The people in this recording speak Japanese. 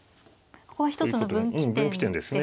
ここは一つの分岐点ですか。